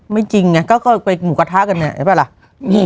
ไม่จริงไงก็ไปหมูกระทะกันไง